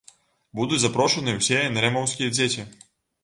Будуць запрошаныя ўсе энэрэмаўскія дзеці.